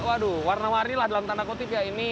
waduh warna warni lah dalam tanda kutip ya ini